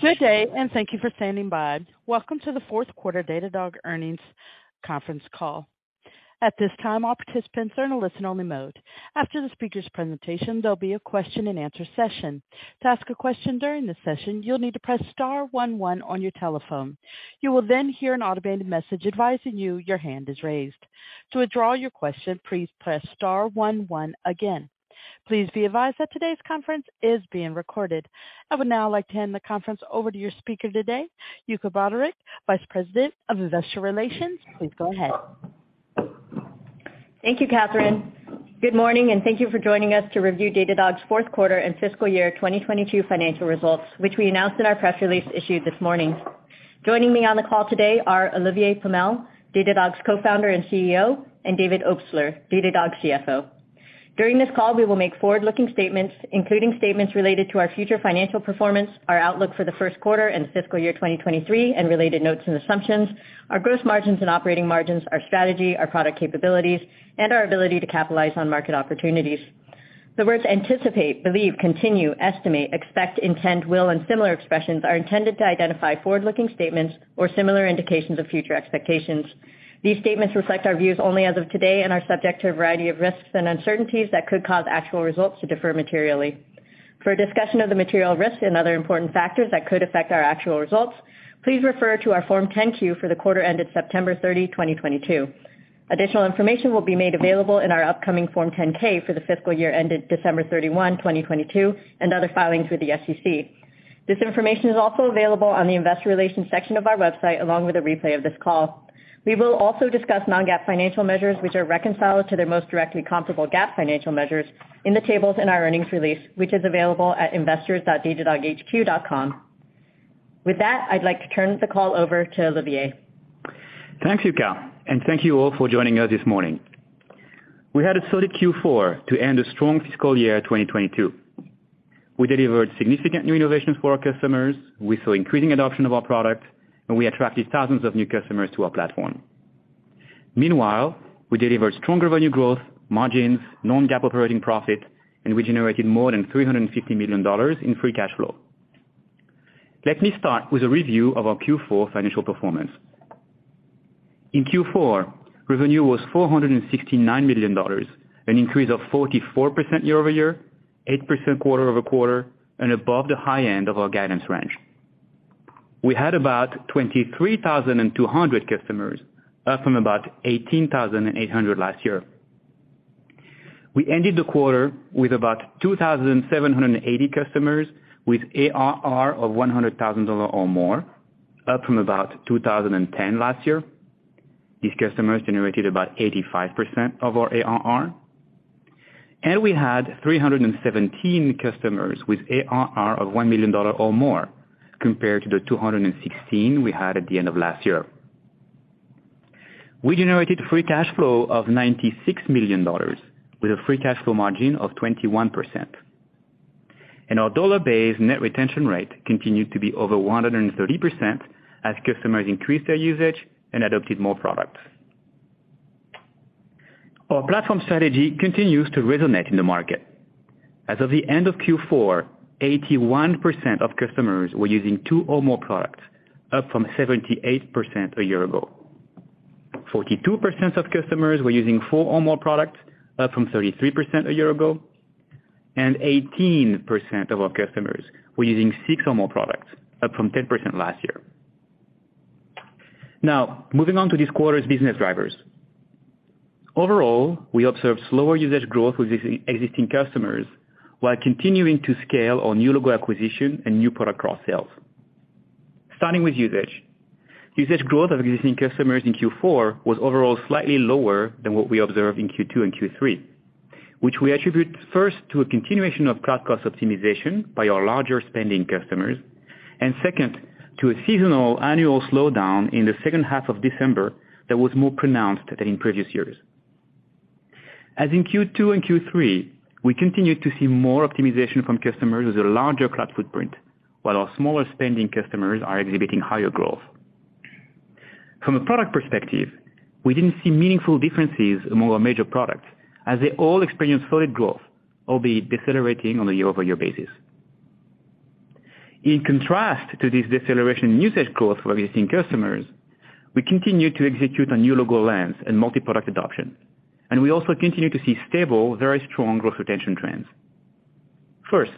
Good day, thank you for standing by. Welcome to the fourth quarter Datadog earnings conference call. At this time, all participants are in a listen-only mode. After the speaker's presentation, there'll be a Q&A session. To ask a question during the session, you'll need to press star one one on your telephone. You will hear an automated message advising you your hand is raised. To withdraw your question, please press star one one again. Please be advised that today's conference is being recorded. I would now like to hand the conference over to your speaker today, Yuka Broderick, Vice President of Investor Relations. Please go ahead. Thank you, Catherine. Good morning, thank you for joining us to review Datadog's fourth quarter and fiscal year 2022 financial results, which we announced in our press release issued this morning. Joining me on the call today are Olivier Pomel, Datadog's Co-founder and CEO, and David Obstler, Datadog's CFO. During this call, we will make forward-looking statements, including statements related to our future financial performance, our outlook for the first quarter and fiscal year 2023, and related notes and assumptions, our gross margins and operating margins, our strategy, our product capabilities, and our ability to capitalize on market opportunities. The words anticipate, believe, continue, estimate, expect, intend, will, and similar expressions are intended to identify forward-looking statements or similar indications of future expectations. These statements reflect our views only as of today and are subject to a variety of risks and uncertainties that could cause actual results to differ materially. For a discussion of the material risks and other important factors that could affect our actual results, please refer to our Form 10-Q for the quarter ended September 30, 2022. Additional information will be made available in our upcoming Form 10-K for the fiscal year ended December 31, 2022 and other filings with the SEC. This information is also available on the investor relations section of our website, along with a replay of this call. We will also discuss non-GAAP financial measures, which are reconciled to their most directly comparable GAAP financial measures in the tables in our earnings release, which is available at investors.datadoghq.com. With that, I'd like to turn the call over to Olivier. Thanks, Yuka, and thank you all for joining us this morning. We had a solid Q4 to end a strong fiscal year 2022. We delivered significant new innovations for our customers. We saw increasing adoption of our product, and we attracted thousands of new customers to our platform. Meanwhile, we delivered stronger value growth, margins, non-GAAP operating profit, and we generated more than $350 million in free cash flow. Let me start with a review of our Q4 financial performance. In Q4, revenue was $469 million, an increase of 44% year-over-year, 8% quarter-over-quarter, and above the high end of our guidance range. We had about 23,200 customers, up from about 18,800 last year. We ended the quarter with about 2,780 customers with ARR of $100,000 or more, up from about 2,010 last year. These customers generated about 85% of our ARR. We had 317 customers with ARR of $1 million or more compared to the 216 we had at the end of last year. We generated free cash flow of $96 million with a free cash flow margin of 21%. Our dollar-based net retention rate continued to be over 130% as customers increased their usage and adopted more products. Our platform strategy continues to resonate in the market. As of the end of Q4, 81% of customers were using two or more products, up from 78% a year ago. 42% of customers were using four or more products, up from 33% a year ago. 18% of our customers were using six or more products, up from 10% last year. Moving on to this quarter's business drivers. Overall, we observed slower usage growth with existing customers while continuing to scale our new logo acquisition and new product cross-sales. Starting with usage. Usage growth of existing customers in Q4 was overall slightly lower than what we observed in Q2 and Q3, which we attribute first to a continuation of cloud cost optimization by our larger spending customers. Second, to a seasonal annual slowdown in the second half of December that was more pronounced than in previous years. As in Q2 and Q3, we continued to see more optimization from customers with a larger cloud footprint, while our smaller spending customers are exhibiting higher growth. From a product perspective, we didn't see meaningful differences among our major products as they all experienced solid growth, albeit decelerating on a year-over-year basis. In contrast to this deceleration in usage growth for existing customers, we continued to execute on new logo lands and multi-product adoption, and we also continued to see stable, very strong growth retention trends. First,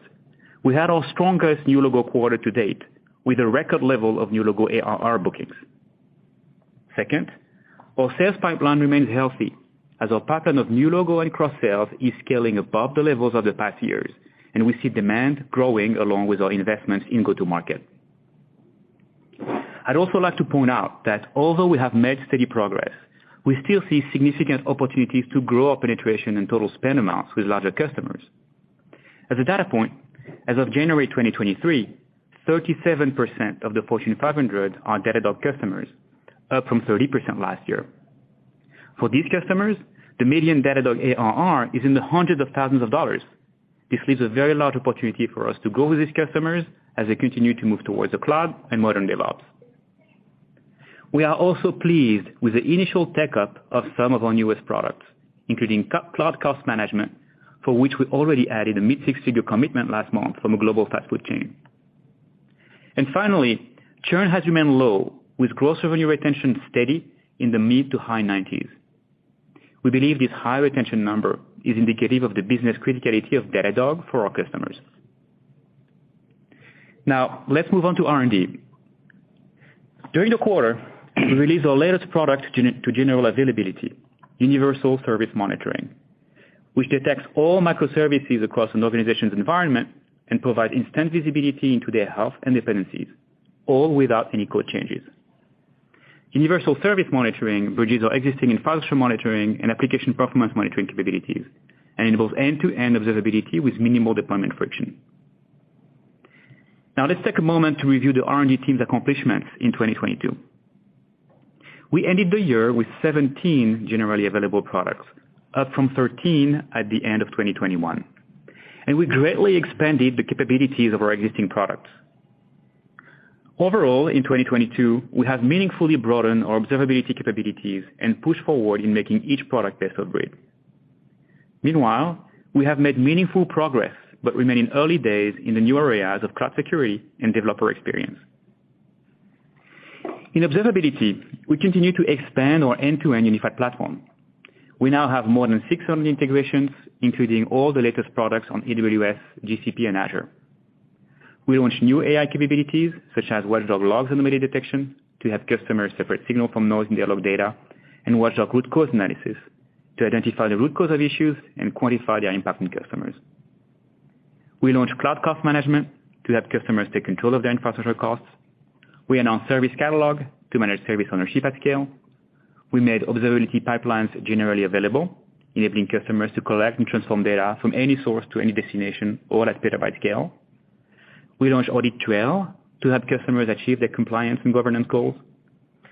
we had our strongest new logo quarter to date with a record level of new logo ARR bookings. Second, our sales pipeline remains healthy as our pattern of new logo and cross-sales is scaling above the levels of the past years, and we see demand growing along with our investments in go-to-market. I'd also like to point out that although we have made steady progress, we still see significant opportunities to grow our penetration and total spend amounts with larger customers. As a data point, as of January 2023, 37% of the Fortune 500 are Datadog customers, up from 30% last year. For these customers, the median Datadog ARR is in the hundreds of thousands of dollars. This leaves a very large opportunity for us to grow with these customers as they continue to move towards the cloud and modern.. We are also pleased with the initial take-up of some of our newest products, including Cloud Cost Management, for which we already added a mid-six-figure commitment last month from a global fast food chain. Finally, churn has remained low, with gross revenue retention steady in the mid to high nineties. We believe this high retention number is indicative of the business criticality of Datadog for our customers. Let's move on to R&D. During the quarter, we released our latest product gen-to general availability, Universal Service Monitoring, which detects all microservices across an organization's environment and provide instant visibility into their health and dependencies, all without any code changes. Universal Service Monitoring bridges our existing infrastructure monitoring and Application Performance Monitoring capabilities, and enables end-to-end observability with minimal deployment friction. Let's take a moment to review the R&D team's accomplishments in 2022. We ended the year with 17 generally available products, up from 13 at the end of 2021, and we greatly expanded the capabilities of our existing products. Overall, in 2022, we have meaningfully broadened our observability capabilities and pushed forward in making each product best of breed. Meanwhile, we have made meaningful progress, but remain in early days in the new areas of cloud security and developer experience. In observability, we continue to expand our end-to-end unified platform. We now have more than 600 integrations, including all the latest products on AWS, GCP and Azure. We launched new AI capabilities such as Watchdog Logs anomaly detection to help customers separate signal from noise in their log data and Watchdog Root Cause Analysis to identify the root cause of issues and quantify their impact on customers. We launched Cloud Cost Management to help customers take control of their infrastructure costs. We announced Service Catalog to manage service ownership at scale. We made Observability Pipelines generally available, enabling customers to collect and transform data from any source to any destination, all at petabyte scale. We launched Audit Trail to help customers achieve their compliance and governance goals.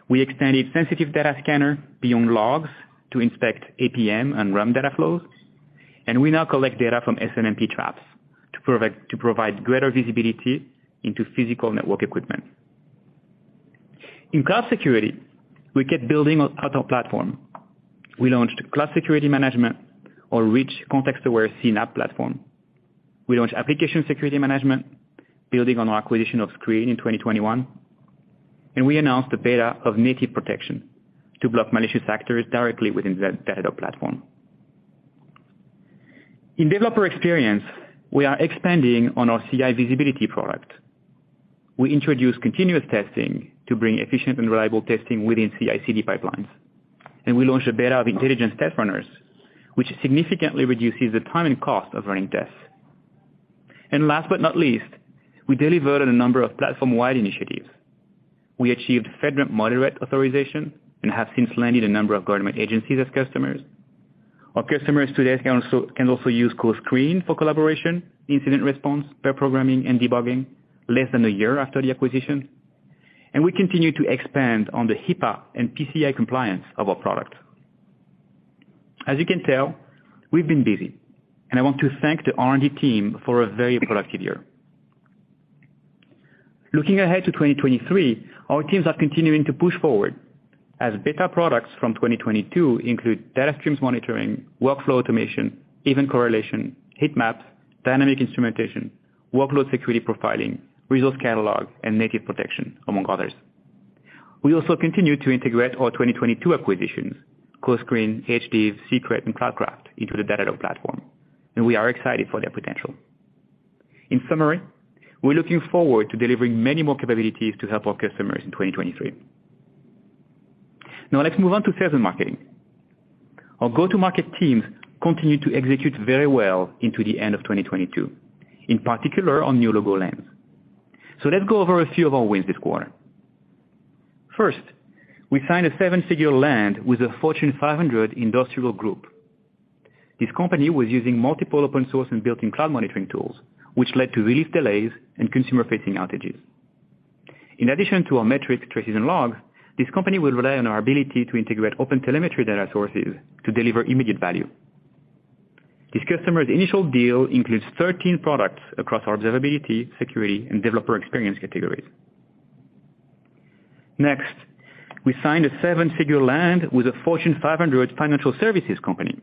We expanded Sensitive Data Scanner beyond logs to inspect APM and RUM data flows. We now collect data from SNMP traps to provide greater visibility into physical network equipment. In cloud security, we kept building out our platform. We launched Cloud Security Management, our rich context-aware CNAPP platform. We launched Application Security Management, building on our acquisition of Sqreen in 2021. We announced the beta of Active Protection to block malicious actors directly within the Datadog platform. In developer experience, we are expanding on our CI Visibility product. We introduced Continuous Testing to bring efficient and reliable testing within CI/CD pipelines, and we launched a beta of Intelligent Test Runners, which significantly reduces the time and cost of running tests. Last but not least, we delivered a number of platform-wide initiatives. We achieved FedRAMP moderate authorization and have since landed a number of government agencies as customers. Our customers today can also use CoScreen for collaboration, incident response, pair programming and debugging less than a year after the acquisition. We continue to expand on the HIPAA and PCI compliance of our product. You can tell, we've been busy and I want to thank the R&D team for a very productive year. Looking ahead to 2023, our teams are continuing to push forward as beta products from 2022 include Data Streams Monitoring, Workflow Automation, Event Correlation, Heatmaps, Dynamic Instrumentation, workload security profiling, Resource Catalog, and native protection, among others. We also continue to integrate our 2022 acquisitions, CoScreen, HD, Seekret and Cloudcraft into the Datadog platform, we are excited for their potential. In summary, we're looking forward to delivering many more capabilities to help our customers in 2023. Let's move on to sales and marketing. Our go-to-market teams continued to execute very well into the end of 2022, in particular on new logo lands. Let's go over a few of our wins this quarter. First, we signed a seven-figure land with a Fortune 500 industrial group. This company was using multiple open source and built-in cloud monitoring tools, which led to release delays and consumer-facing outages. In addition to our metrics, traces and logs, this company will rely on our ability to integrate OpenTelemetry data sources to deliver immediate value. This customer's initial deal includes 13 products across observability, security, and developer experience categories. Next, we signed a seven-figure land with a Fortune 500 financial services company.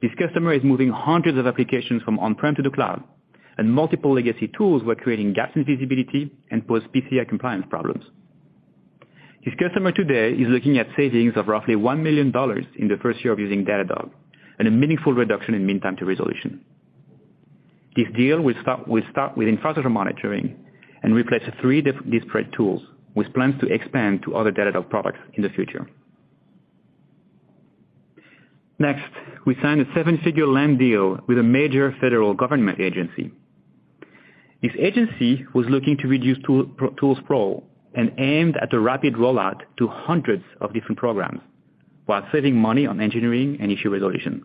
This customer is moving hundreds of applications from on-prem to the cloud, and multiple legacy tools were creating gaps in visibility and posed PCI compliance problems. This customer today is looking at savings of roughly $1 million in the first year of using Datadog and a meaningful reduction in mean time to resolution. This deal will start with infrastructure monitoring and replace three disparate tools with plans to expand to other Datadog products in the future. Next, we signed a seven-figure land deal with a major federal government agency. This agency was looking to reduce tool sprawl and aimed at a rapid rollout to hundreds of different programs while saving money on engineering and issue resolution.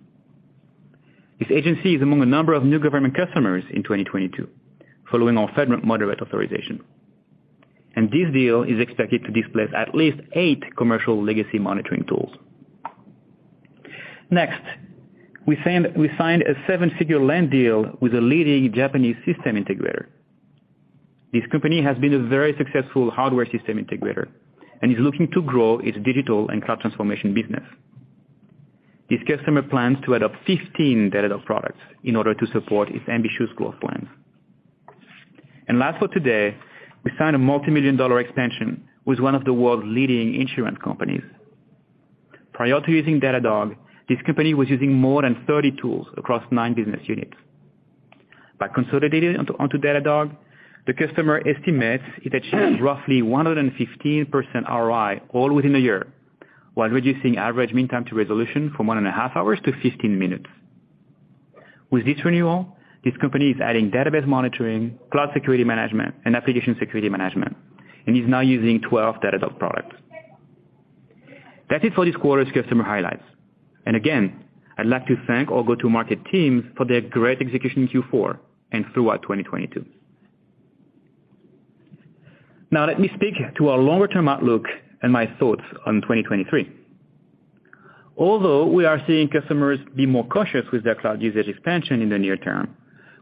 This agency is among a number of new government customers in 2022, following our FedRAMP moderate authorization. This deal is expected to displace at least eight commercial legacy monitoring tools. Next, we signed a seven-figure land deal with a leading Japanese system integrator. This company has been a very successful hardware system integrator and is looking to grow its digital and cloud transformation business. This customer plans to adopt 15 Datadog products in order to support its ambitious growth plans. Last for today, we signed a multi-million dollar expansion with one of the world's leading insurance companies. Prior to using Datadog, this company was using more than 30 tools across nine business units. By consolidating onto Datadog, the customer estimates it achieved roughly 115% ROI all within a year, while reducing average mean time to resolution from one and a half hours to 15 minutes. With this renewal, this company is adding Database Monitoring, Cloud Security Management, and Application Security Management, and is now using 12 Datadog products. That's it for this quarter's customer highlights. Again, I'd like to thank all go-to-market teams for their great execution in Q4 and throughout 2022. Let me speak to our longer term outlook and my thoughts on 2023. Although we are seeing customers be more cautious with their cloud usage expansion in the near term,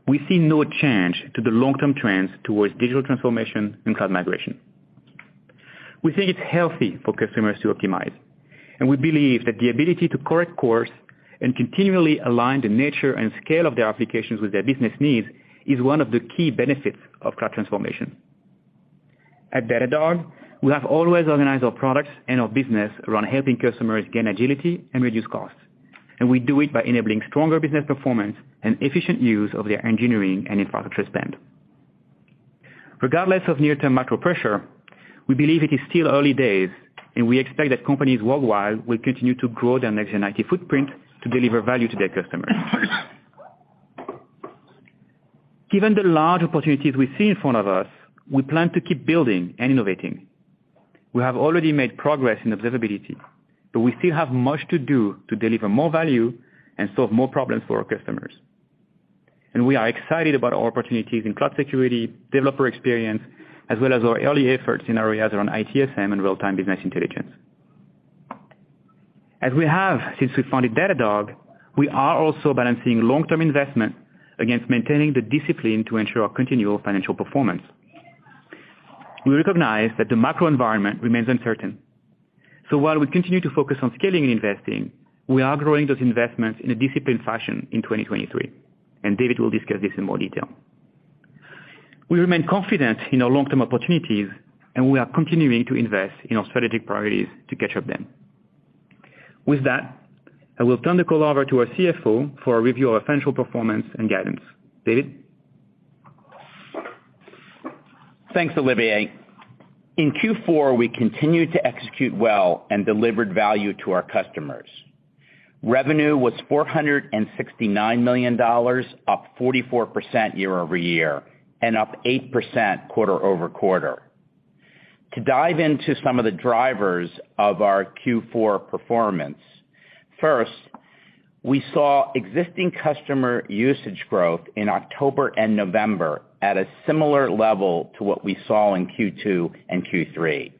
we see no change to the long-term trends towards digital transformation and cloud migration. We think it's healthy for customers to optimize, and we believe that the ability to correct course and continually align the nature and scale of their applications with their business needs is one of the key benefits of cloud transformation. At Datadog, we have always organized our products and our business around helping customers gain agility and reduce costs. We do it by enabling stronger business performance and efficient use of their engineering and infrastructure spend. Regardless of near-term macro pressure, we believe it is still early days. We expect that companies worldwide will continue to grow their next-gen IT footprint to deliver value to their customers. Given the large opportunities we see in front of us, we plan to keep building and innovating. We have already made progress in observability. We still have much to do to deliver more value and solve more problems for our customers. We are excited about our opportunities in cloud security, developer experience, as well as our early efforts in areas around ITSM and real-time business intelligence. As we have since we founded Datadog, we are also balancing long-term investment against maintaining the discipline to ensure our continual financial performance. We recognize that the macro environment remains uncertain. While we continue to focus on scaling and investing, we are growing those investments in a disciplined fashion in 2023. David will discuss this in more detail. We remain confident in our long-term opportunities. We are continuing to invest in our strategic priorities to catch up then. With that, I will turn the call over to our CFO for a review of financial performance and guidance. David? Thanks, Olivier. In Q4, we continued to execute well and delivered value to our customers. Revenue was $469 million, up 44% year-over-year and up 8% quarter-over-quarter. To dive into some of the drivers of our Q4 performance, first, we saw existing customer usage growth in October and November at a similar level to what we saw in Q2 and Q3.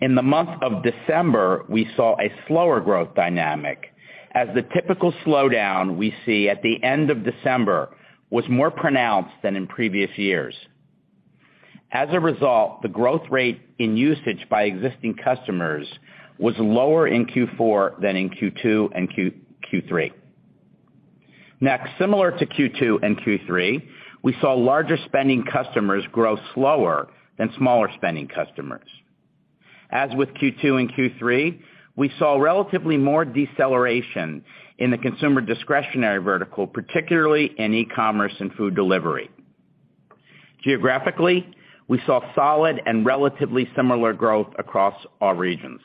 In the month of December, we saw a slower growth dynamic as the typical slowdown we see at the end of December was more pronounced than in previous years. As a result, the growth rate in usage by existing customers was lower in Q4 than in Q2 and Q3. Next, similar to Q2 and Q3, we saw larger spending customers grow slower than smaller spending customers. As with Q2 and Q3, we saw relatively more deceleration in the consumer discretionary vertical, particularly in e-commerce and food delivery. Geographically, we saw solid and relatively similar growth across our regions.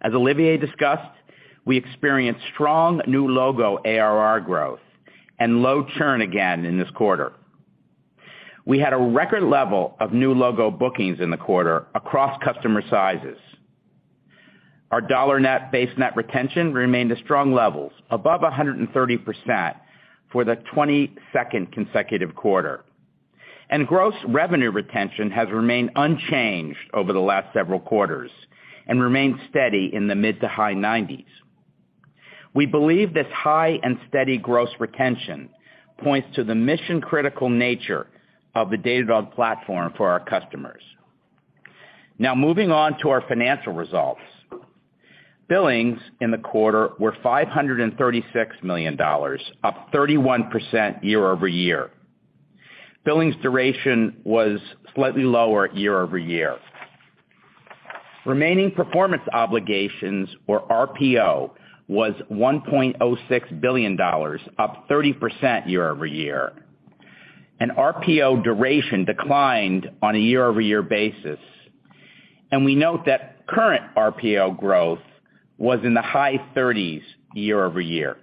As Olivier discussed, we experienced strong new logo ARR growth and low churn again in this quarter. We had a record level of new logo bookings in the quarter across customer sizes. Our dollar net base net retention remained at strong levels, above 130% for the 22nd consecutive quarter. Gross revenue retention has remained unchanged over the last several quarters and remains steady in the mid to high 90s. We believe this high and steady gross retention points to the mission-critical nature of the Datadog platform for our customers. Now moving on to our financial results. Billings in the quarter were $536 million, up 31% year-over-year. Billings duration was slightly lower year-over-year. Remaining performance obligations, or RPO, was $1.06 billion, up 30% year-over-year. RPO duration declined on a year-over-year basis. We note that current RPO growth was in the high 30s year-over-year.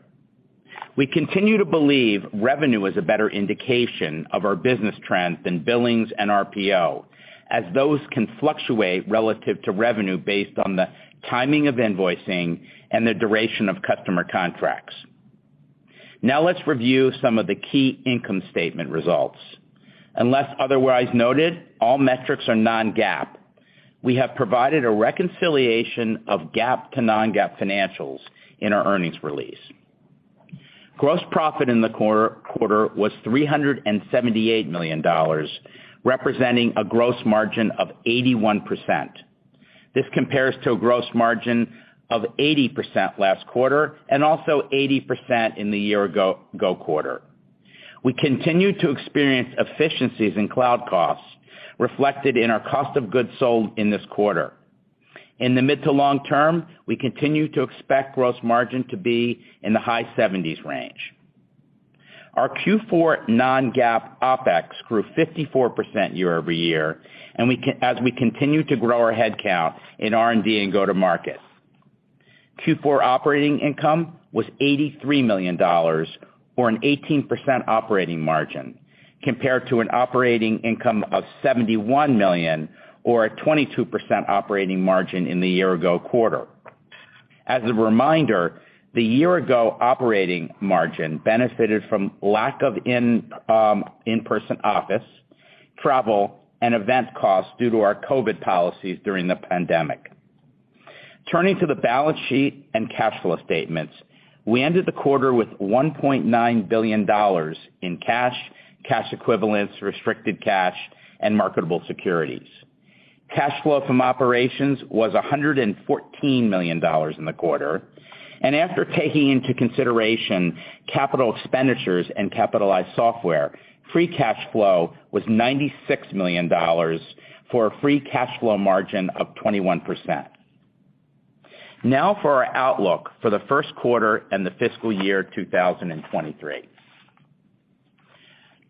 We continue to believe revenue is a better indication of our business trends than billings and RPO, as those can fluctuate relative to revenue based on the timing of invoicing and the duration of customer contracts. Now let's review some of the key income statement results. Unless otherwise noted, all metrics are non-GAAP. We have provided a reconciliation of GAAP to non-GAAP financials in our earnings release. Gross profit in the quarter was $378 million, representing a gross margin of 81%. This compares to a gross margin of 80% last quarter, and also 80% in the year ago quarter. We continue to experience efficiencies in cloud costs reflected in our cost of goods sold in this quarter. In the mid to long term, we continue to expect gross margin to be in the high 70s range. Our Q4 non-GAAP OpEx grew 54% year-over-year, as we continue to grow our headcount in R&D and go to markets. Q4 operating income was $83 million or an 18% operating margin, compared to an operating income of $71 million or a 22% operating margin in the year ago quarter. As a reminder, the year ago operating margin benefited from lack of in-person office, travel, and event costs due to our COVID policies during the pandemic. Turning to the balance sheet and cash flow statements, we ended the quarter with $1.9 billion in cash equivalents, restricted cash, and marketable securities. Cash flow from operations was $114 million in the quarter, and after taking into consideration capital expenditures and capitalized software, free cash flow was $96 million for a free cash flow margin of 21%. Now for our outlook for the first quarter and the fiscal year 2023.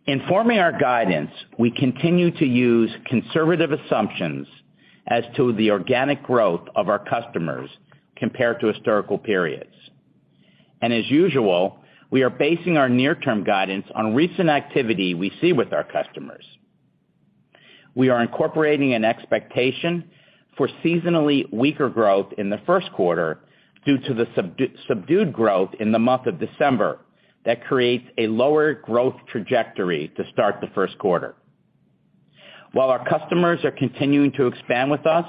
Informing our guidance, we continue to use conservative assumptions as to the organic growth of our customers compared to historical periods. As usual, we are basing our near-term guidance on recent activity we see with our customers. We are incorporating an expectation for seasonally weaker growth in the first quarter due to the subdued growth in the month of December that creates a lower growth trajectory to start the first quarter. While our customers are continuing to expand with us,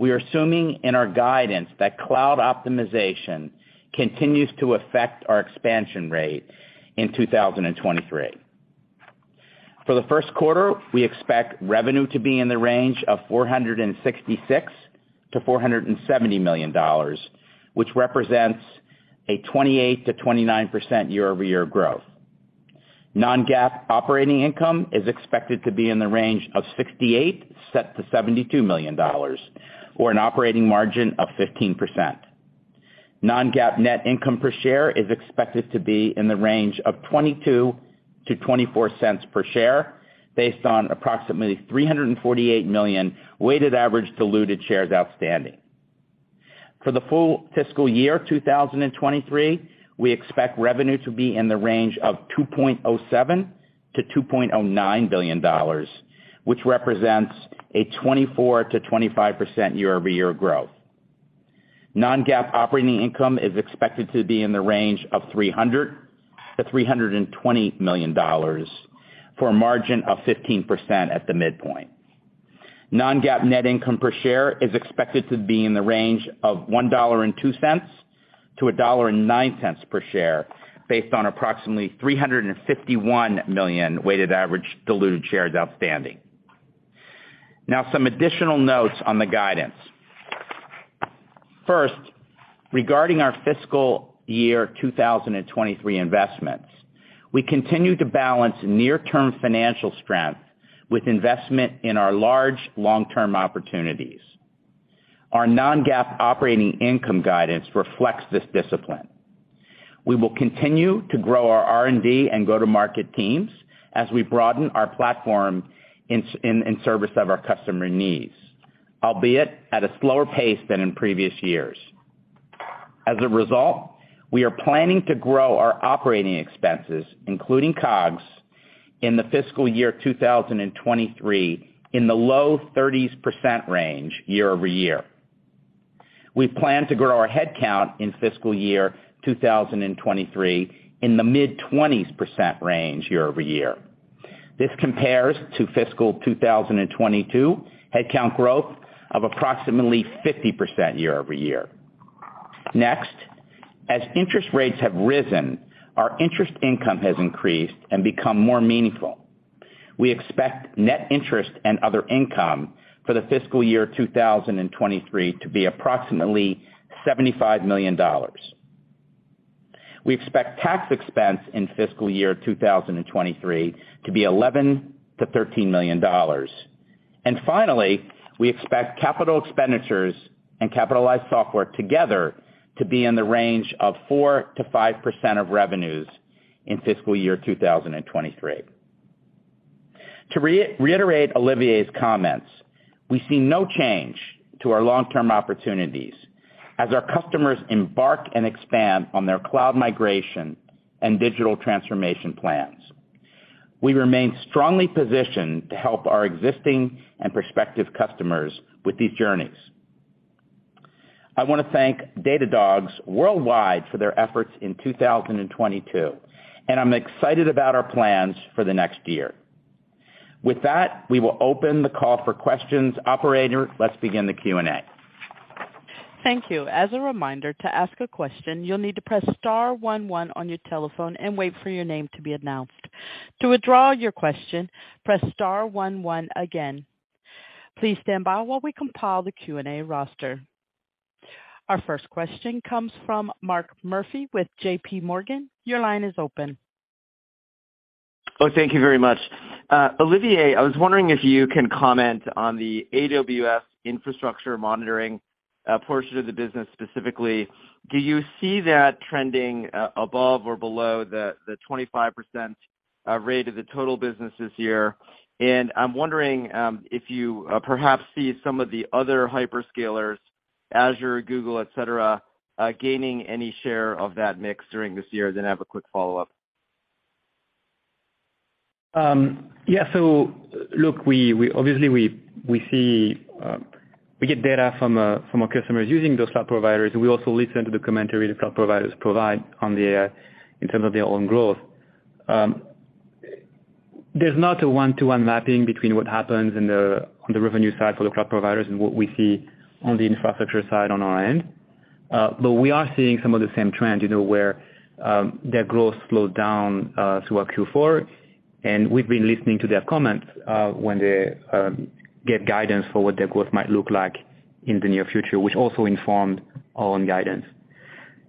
we are assuming in our guidance that cloud optimization continues to affect our expansion rate in 2023. For the first quarter, we expect revenue to be in the range of $466 million-$470 million, which represents a 28%-29% year-over-year growth. Non-GAAP operating income is expected to be in the range of $68 million set-$72 million, or an operating margin of 15%. Non-GAAP net income per share is expected to be in the range of $0.22 per share-$0.24 per share based on approximately 348 million weighted average diluted shares outstanding. For the full fiscal year 2023, we expect revenue to be in the range of $2.07 billion-$2.09 billion, which represents a 24%-25% year-over-year growth. Non-GAAP operating income is expected to be in the range of $300 million-$320 million for a margin of 15% at the midpoint. Non-GAAP net income per share is expected to be in the range of $1.02-$1.09 per share based on approximately 351 million weighted average diluted shares outstanding. Now some additional notes on the guidance. First, regarding our fiscal year 2023 investments, we continue to balance near-term financial strength with investment in our large long-term opportunities. Our non-GAAP operating income guidance reflects this discipline. We will continue to grow our R&D and go-to-market teams as we broaden our platform in service of our customer needs, albeit at a slower pace than in previous years. As a result, we are planning to grow our operating expenses, including COGS, in the fiscal year 2023 in the low 30% range year-over-year. We plan to grow our headcount in fiscal year 2023 in the mid-20% range year-over-year. This compares to fiscal 2022 headcount growth of approximately 50% year-over-year. Next, as interest rates have risen, our interest income has increased and become more meaningful. We expect net interest and other income for the fiscal year 2023 to be approximately $75 million. We expect tax expense in fiscal year 2023 to be $11 million-$13 million. Finally, we expect capital expenditures and capitalized software together to be in the range of 4%-5% of revenues in fiscal year 2023. To reiterate Olivier's comments, we see no change to our long-term opportunities as our customers embark and expand on their cloud migration and digital transformation plans. We remain strongly positioned to help our existing and prospective customers with these journeys. I wanna thank Datadogs worldwide for their efforts in 2022. I'm excited about our plans for the next year. With that, we will open the call for questions. Operator, let's begin the Q&A. Thank you. As a reminder, to ask a question, you'll need to press star one one on your telephone and wait for your name to be announced. To withdraw your question, press star one one again. Please stand by while we compile the Q&A roster. Our first question comes from Mark Murphy with JPMorgan. Your line is open. Thank you very much. Olivier, I was wondering if you can comment on the AWS infrastructure monitoring portion of the business specifically. Do you see that trending above or below the 25% rate of the total business this year? I'm wondering if you perhaps see some of the other hyperscalers, Azure, Google, et cetera, gaining any share of that mix during this year. I have a quick follow-up. Yeah. Look, we, obviously, we see, we get data from our customers using those cloud providers. We also listen to the commentary the cloud providers provide on the, in terms of their own growth. There's not a one-to-one mapping between what happens in the, on the revenue side for the cloud providers and what we see on the infrastructure side on our end. We are seeing some of the same trends, you know, where, their growth slowed down, throughout Q4, and we've been listening to their comments, when they, give guidance for what their growth might look like in the near future, which also informed our own guidance.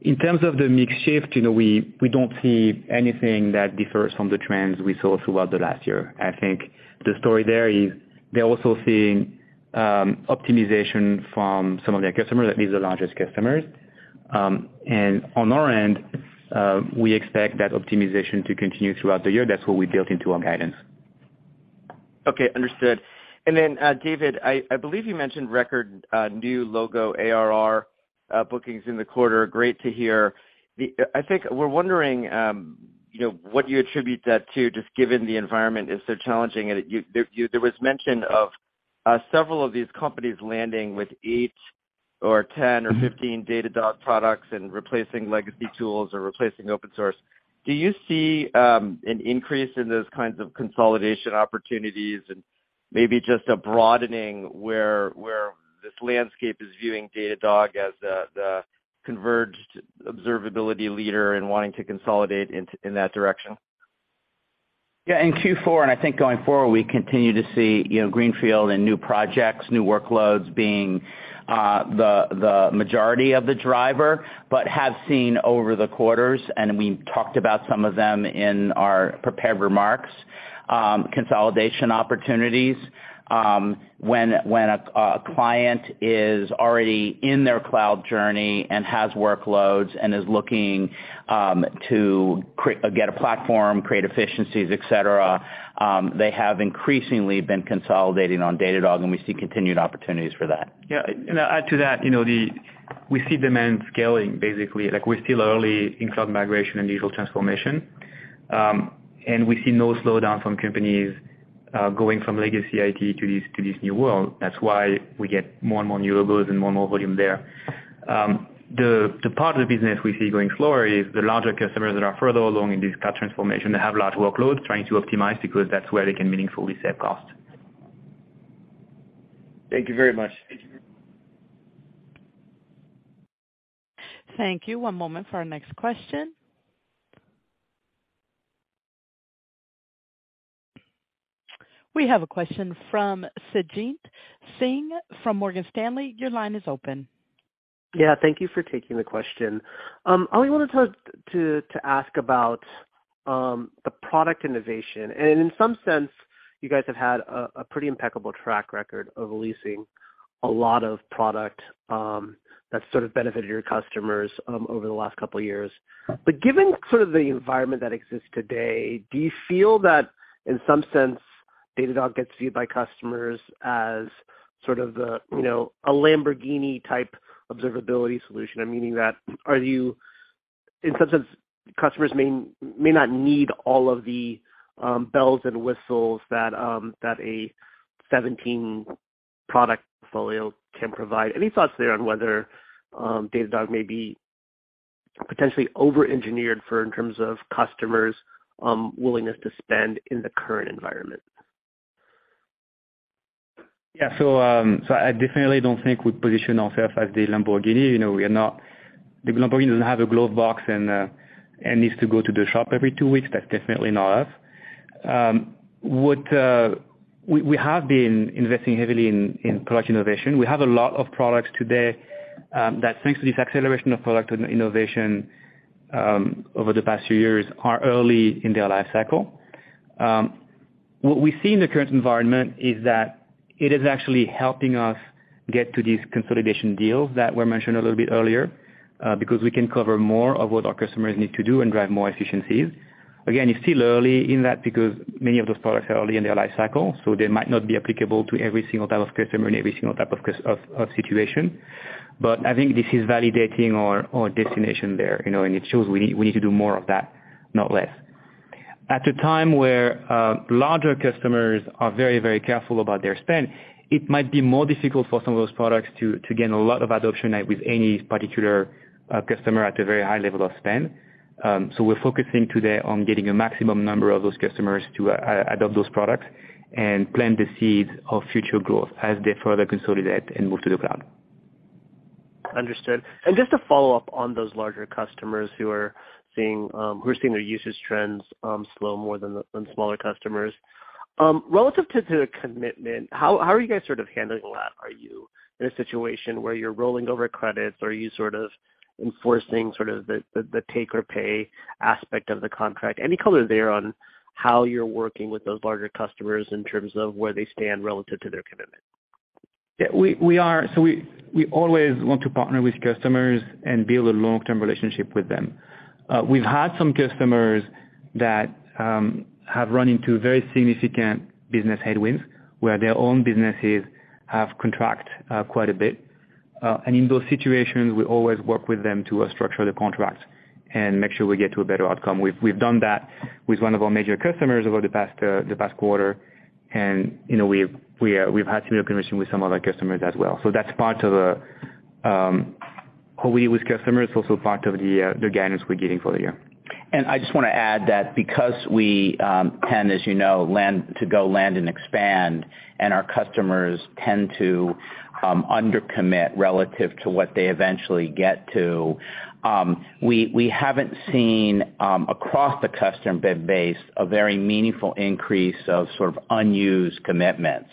In terms of the mix shift, you know, we don't see anything that differs from the trends we saw throughout the last year. I think the story there is they're also seeing, optimization from some of their customers. That means the largest customers. On our end, we expect that optimization to continue throughout the year. That's what we built into our guidance. Okay. Understood. David, I believe you mentioned record new logo ARR bookings in the quarter. Great to hear. I think we're wondering, you know, what you attribute that to, just given the environment is so challenging, and there was mention of several of these companies landing with eight or 10 or 15 Datadog products and replacing legacy tools or replacing open source. Do you see an increase in those kinds of consolidation opportunities and maybe just a broadening where this landscape is viewing Datadog as the converged observability leader and wanting to consolidate into, in that direction? Yeah. In Q4, I think going forward, we continue to see, you know, greenfield and new projects, new workloads being the majority of the driver. Have seen over the quarters, and we've talked about some of them in our prepared remarks, consolidation opportunities. When a client is already in their cloud journey and has workloads and is looking to get a platform, create efficiencies, et cetera, they have increasingly been consolidating on Datadog, and we see continued opportunities for that. Yeah. To add to that, you know, we see demand scaling basically. Like, we're still early in cloud migration and digital transformation, and we see no slowdown from companies going from legacy IT to this, to this new world. That's why we get more and more new logos and more and more volume there. The part of the business we see going slower is the larger customers that are further along in this cloud transformation that have large workloads trying to optimize because that's where they can meaningfully save costs. Thank you very much. Thank you. One moment for our next question. We have a question from Sanjit Singh from Morgan Stanley. Your line is open. Yeah. Thank you for taking the question. I only wanted to ask about the product innovation. In some sense, you guys have had a pretty impeccable track record of releasing a lot of product that's sort of benefited your customers over the last couple years. Given sort of the environment that exists today, do you feel that, in some sense, Datadog gets viewed by customers as sort of the, you know, a Lamborghini-type observability solution? I'm meaning that in some sense, customers may not need all of the bells and whistles that a 17 product portfolio can provide. Any thoughts there on whether Datadog may be potentially overengineered for in terms of customers' willingness to spend in the current environment? Yeah. I definitely don't think we position ourself as the Lamborghini. You know, The Lamborghini doesn't have a glove box and needs to go to the shop every two weeks. That's definitely not us. What we have been investing heavily in product innovation. We have a lot of products today, that thanks to this acceleration of product innovation, over the past few years, are early in their life cycle. What we see in the current environment is that it is actually helping us get to these consolidation deals that were mentioned a little bit earlier, because we can cover more of what our customers need to do and drive more efficiencies. Again, it's still early in that because many of those products are early in their life cycle, so they might not be applicable to every single type of customer and every single type of of situation. I think this is validating our destination there, you know, and it shows we need to do more of that, not less. At the time where larger customers are very, very careful about their spend, it might be more difficult for some of those products to gain a lot of adoption with any particular customer at a very high level of spend. We're focusing today on getting a maximum number of those customers to adopt those products and plant the seeds of future growth as they further consolidate and move to the cloud. Understood. Just to follow up on those larger customers who are seeing their usage trends slow more than smaller customers. Relative to the commitment, how are you guys sort of handling that? Are you in a situation where you're rolling over credits? Are you sort of enforcing the take or pay aspect of the contract? Any color there on how you're working with those larger customers in terms of where they stand relative to their commitment? Yeah. We always want to partner with customers and build a long-term relationship with them. We've had some customers that have run into very significant business headwinds, where their own businesses have contract quite a bit. In those situations, we always work with them to structure the contracts and make sure we get to a better outcome. We've done that with one of our major customers over the past the past quarter. You know, we've had similar conversation with some other customers as well. That's part of the how we with customers, also part of the guidance we're giving for the year. I just wanna add that because we tend, as you know, to go land and expand, and our customers tend to under commit relative to what they eventually get to, we haven't seen across the custom base a very meaningful increase of sort of unused commitments.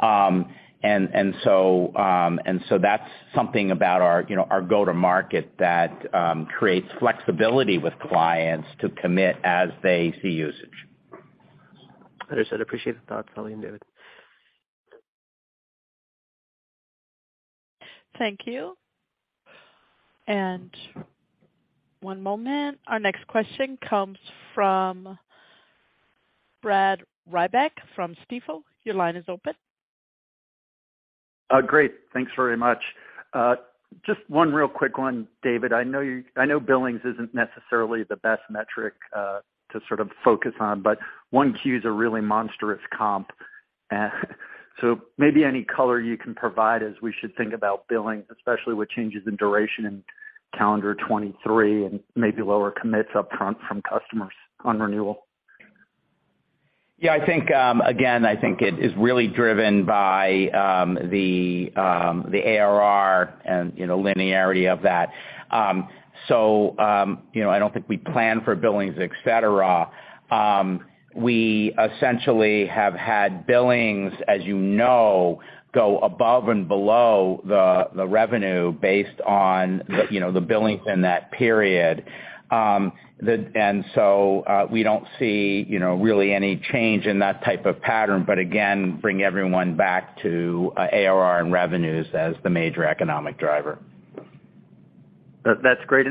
So that's something about our, you know, our go-to-market that creates flexibility with clients to commit as they see usage. Understood. Appreciate the thought, Oli and David. Thank you. One moment. Our next question comes from Brad Reback from Stifel. Your line is open. Great. Thanks very much. Just one real quick one, David. I know billings isn't necessarily the best metric to sort of focus on, but one, Q's a really monstrous comp. Maybe any color you can provide as we should think about billing, especially with changes in duration in calendar 2023 and maybe lower commits upfront from customers on renewal. Yeah, I think, again, I think it is really driven by the ARR and, you know, linearity of that. You know, I don't think we plan for billings, et cetera. We essentially have had billings, as you know, go above and below the revenue based on the, you know, the billings in that period. We don't see, you know, really any change in that type of pattern, but again, bring everyone back to ARR and revenues as the major economic driver. That's great.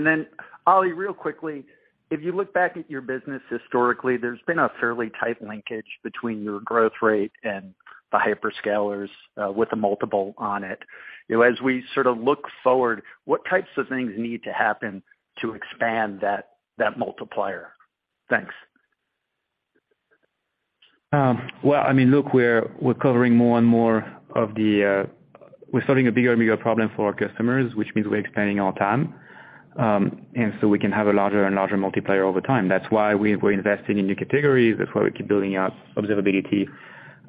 Oli, real quickly, if you look back at your business historically, there's been a fairly tight linkage between your growth rate and the hyperscalers, with the multiple on it. You know, as we sort of look forward, what types of things need to happen to expand that multiplier? Thanks. Well, I mean, look, we're covering more and more of the, we're solving a bigger and bigger problem for our customers, which means we're expanding all time. So we can have a larger and larger multiplier over time. That's why we're investing in new categories. That's why we keep building out observability.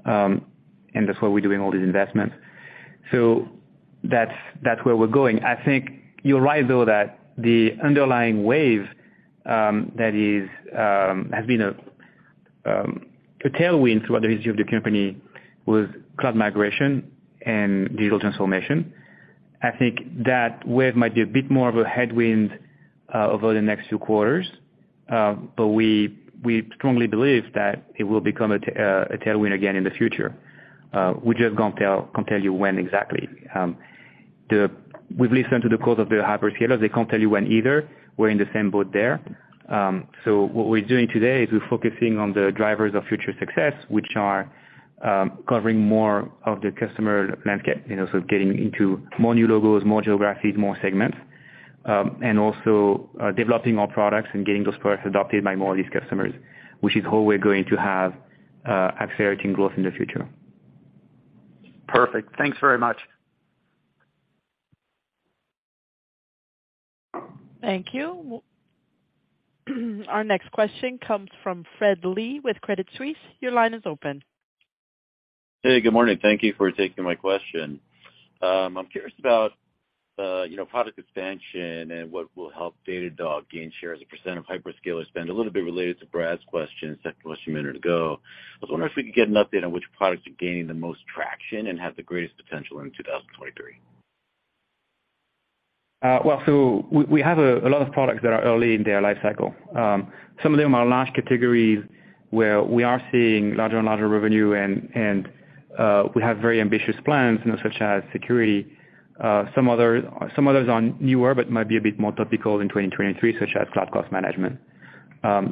That's why we're doing all these investments. So that's where we're going. I think you're right, though, that the underlying wave has been a tailwind throughout the history of the company with cloud migration and digital transformation. I think that wave might be a bit more of a headwind over the next few quarters. We, we strongly believe that it will become a tailwind again in the future. We just can't tell, can't tell you when exactly. We've listened to the calls of the hyperscalers. They can't tell you when either. We're in the same boat there. What we're doing today is we're focusing on the drivers of future success, which are, covering more of the customer landscape, you know. Getting into more new logos, more geographies, more segments, and also, developing more products and getting those products adopted by more of these customers, which is how we're going to have, accelerating growth in the future. Perfect. Thanks very much. Thank you. Our next question comes from Fred Lee with Credit Suisse. Your line is open. Hey, good morning. Thank you for taking my question. I'm curious about, you know, product expansion and what will help Datadog gain share as a percent of hyperscaler spend, a little bit related to Brad's question, second question a minute ago. I was wondering if we could get an update on which products are gaining the most traction and have the greatest potential in 2023. Well, we have a lot of products that are early in their life cycle. Some of them are large categories where we are seeing larger and larger revenue and we have very ambitious plans, you know, such as security. Some others are newer, but might be a bit more topical in 2023, such as Cloud Cost Management. I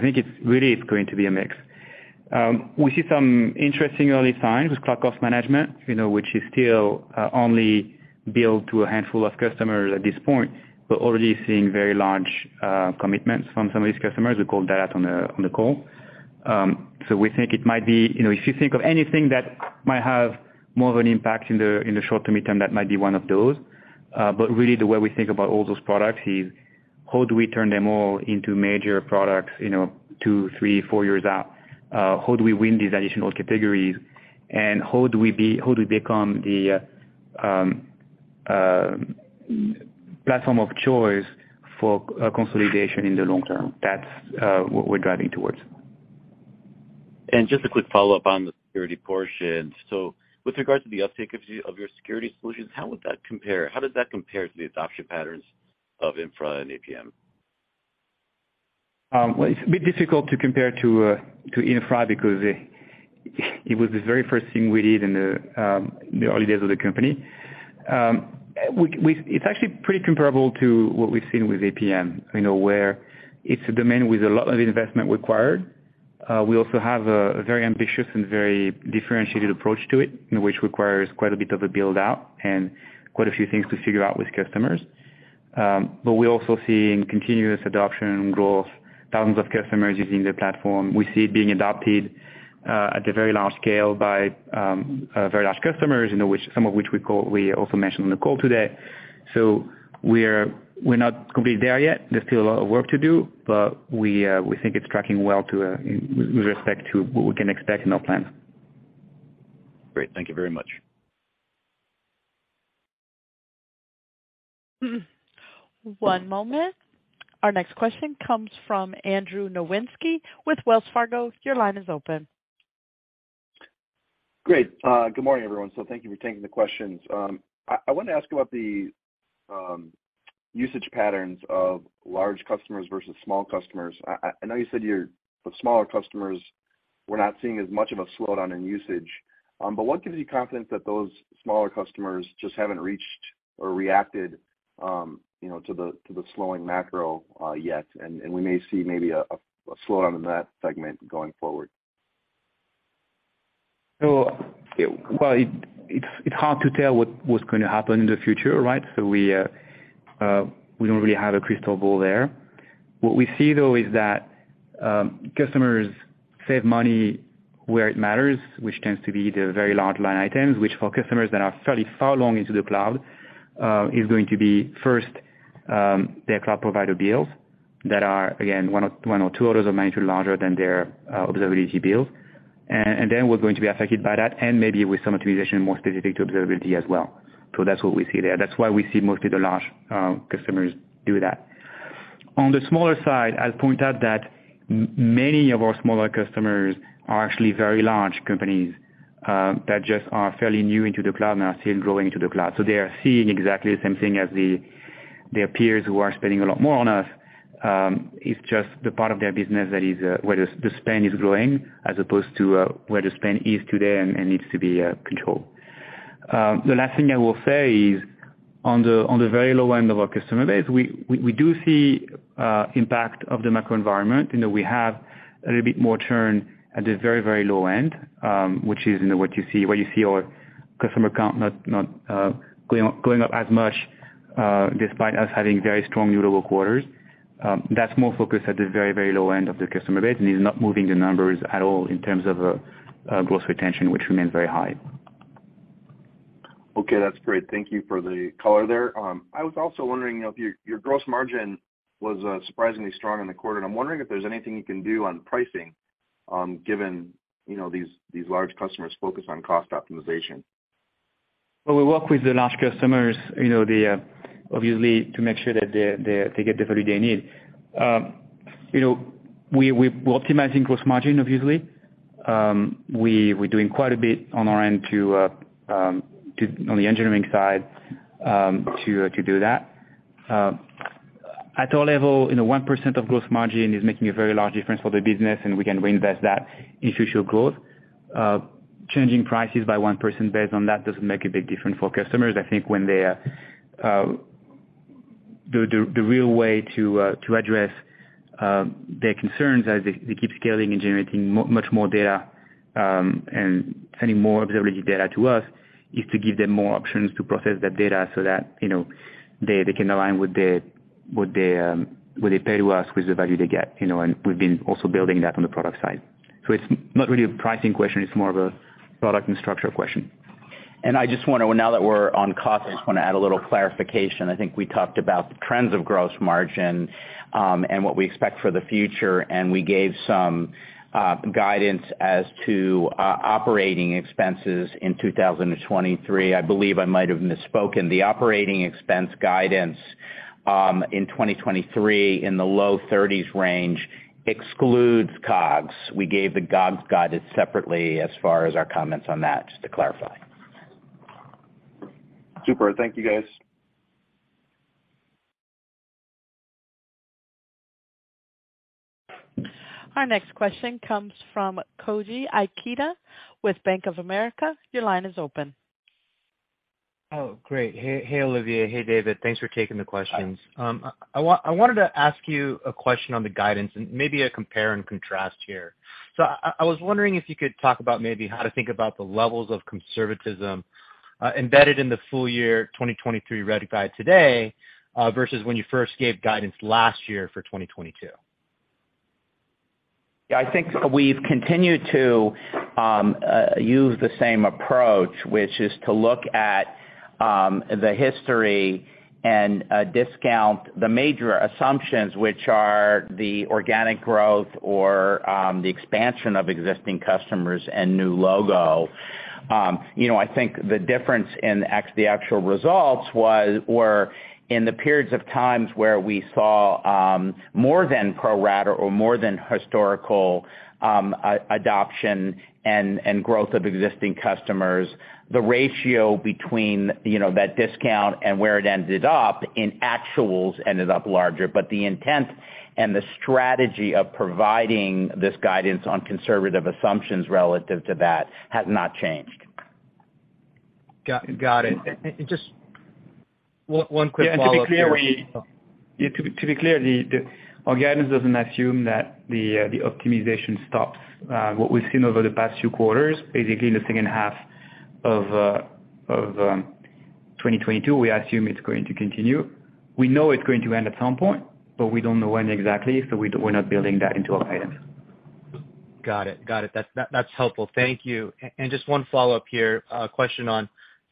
think it's really it's going to be a mix. We see some interesting early signs with Cloud Cost Management, you know, which is still only billed to a handful of customers at this point. We're already seeing very large commitments from some of these customers. We called that out on the call. We think it might be. You know, if you think of anything that might have more of an impact in the, in the short to midterm, that might be one of those. Really the way we think about all those products is how do we turn them all into major products, you know, two, three, four years out? How do we win these additional categories? How do we become the platform of choice for consolidation in the long term? That's what we're driving towards. Just a quick follow-up on the security portion. With regards to the uptake of your security solutions, how does that compare to the adoption patterns of Infra and APM? Well, it's a bit difficult to compare to infra because it was the very first thing we did in the early days of the company. It's actually pretty comparable to what we've seen with APM, you know, where it's a domain with a lot of investment required. We also have a very ambitious and very differentiated approach to it, and which requires quite a bit of a build-out and quite a few things to figure out with customers. We're also seeing continuous adoption growth, thousands of customers using the platform. We see it being adopted at a very large scale by very large customers, you know, which some of which we call, we also mentioned on the call today. We're not completely there yet. There's still a lot of work to do, but we think it's tracking well to, with respect to what we can expect in our plan. Great. Thank you very much. One moment. Our next question comes from Andrew Nowinski with Wells Fargo. Your line is open. Great. Good morning, everyone. Thank you for taking the questions. I wanted to ask about the usage patterns of large customers versus small customers. I know you said your, the smaller customers were not seeing as much of a slowdown in usage. What gives you confidence that those smaller customers just haven't reached or reacted, you know, to the slowing macro yet, and we may see maybe a slowdown in that segment going forward? Well, it's hard to tell what's going to happen in the future, right? We don't really have a crystal ball there. What we see though is that customers save money where it matters, which tends to be the very large line items, which for customers that are fairly far along into the cloud, is going to be first, their cloud provider bills that are, again, one or two orders of magnitude larger than their observability bills. Then we're going to be affected by that and maybe with some optimization more specific to observability as well. That's what we see there. That's why we see mostly the large customers do that. On the smaller side, I'll point out that many of our smaller customers are actually very large companies, that just are fairly new into the cloud and are still growing into the cloud. They are seeing exactly the same thing as the, their peers who are spending a lot more on us. It's just the part of their business that is where the spend is growing as opposed to where the spend is today and needs to be controlled. The last thing I will say is on the, on the very low end of our customer base, we do see impact of the macro environment. You know, we have a little bit more churn at the very, very low end, which is, you know, what you see, where you see our customer count not going up as much, despite us having very strong new logo quarters. That's more focused at the very, very low end of the customer base and is not moving the numbers at all in terms of gross retention, which remains very high. Okay. That's great. Thank you for the color there. I was also wondering if your gross margin was surprisingly strong in the quarter. I'm wondering if there's anything you can do on pricing, given, you know, these large customers' focus on cost optimization. We work with the large customers, you know, obviously to make sure that they get the value they need. You know, we're optimizing gross margin, obviously. We're doing quite a bit on our end on the engineering side to do that. At our level, you know, 1% of gross margin is making a very large difference for the business, and we can reinvest that in future growth. Changing prices by one person based on that doesn't make a big difference for customers. I think when they. The real way to address their concerns as they keep scaling and generating much more data and sending more observability data to us, is to give them more options to process that data so that, you know, they can align what they pay to us with the value they get, you know. We've been also building that on the product side. It's not really a pricing question, it's more of a product and structure question. I just want to, now that we're on costs, just want to add a little clarification. I think we talked about trends of gross margin, what we expect for the future, and we gave some guidance as to operating expenses in 2023. I believe I might have misspoken. The operating expense guidance in 2023 in the low 30s range excludes COGS. We gave the COGS guidance separately as far as our comments on that, just to clarify. Super. Thank you, guys. Our next question comes from Koji Ikeda with Bank of America. Your line is open. Great. Hey, Olivier. Hey, David. Thanks for taking the questions. I wanted to ask you a question on the guidance and maybe a compare and contrast here. I was wondering if you could talk about maybe how to think about the levels of conservatism embedded in the full year 2023 red guide today versus when you first gave guidance last year for 2022. Yeah, I think we've continued to use the same approach, which is to look at the history and discount the major assumptions, which are the organic growth or the expansion of existing customers and new logo. You know, I think the difference in the actual results were in the periods of times where we saw more than pro rata or more than historical adoption and growth of existing customers, the ratio between, you know, that discount and where it ended up in actuals ended up larger. The intent and the strategy of providing this guidance on conservative assumptions relative to that has not changed. Got it. Just one quick follow-up here. To be clear, our guidance doesn't assume that the optimization stops. What we've seen over the past few quarters, basically in the second half of 2022, we assume it's going to continue. We know it's going to end at some point. We don't know when exactly. We're not building that into our guidance. Got it. Got it. That's helpful. Thank you. And just one follow-up here, question on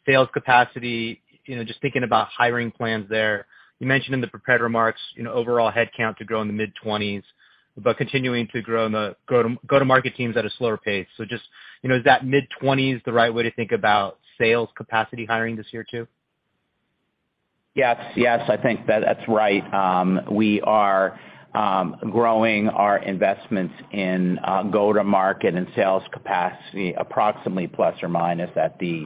sales capacity, you know, just thinking about hiring plans there. You mentioned in the prepared remarks, you know, overall headcount to grow in the mid-twenties, but continuing to grow in the go-to-market teams at a slower pace. Just, you know, is that mid-twenties the right way to think about sales capacity hiring this year too? Yes. Yes, I think that's right. We are growing our investments in go-to-market and sales capacity approximately plus or minus at the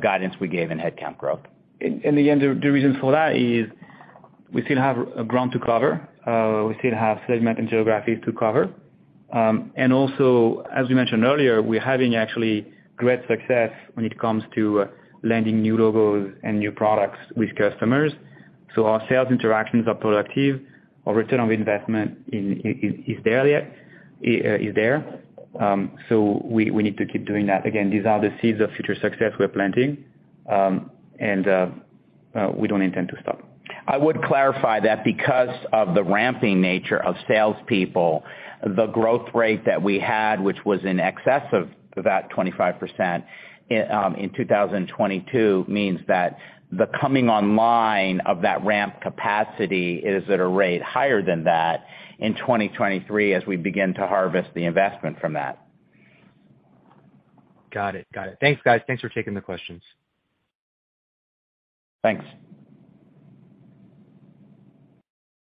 guidance we gave in headcount growth. In the end, the reason for that is we still have ground to cover. We still have segment and geography to cover. And also as we mentioned earlier, we're having actually great success when it comes to landing new logos and new products with customers. Our sales interactions are productive. Our return on investment in, is there yet. Is there. We need to keep doing that. Again, these are the seeds of future success we're planting, and we don't intend to stop. I would clarify that because of the ramping nature of salespeople, the growth rate that we had, which was in excess of about 25% in 2022, means that the coming online of that ramp capacity is at a rate higher than that in 2023 as we begin to harvest the investment from that. Got it. Thanks, guys. Thanks for taking the questions. Thanks.